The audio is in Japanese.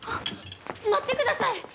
待ってください！